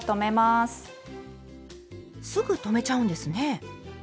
すぐ止めちゃうんですね。